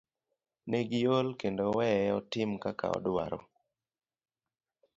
Ne giol kendo weye otim kaka odwaro.